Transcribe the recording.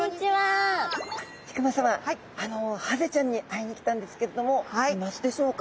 引馬さまハゼちゃんに会いに来たんですけれどもいますでしょうか？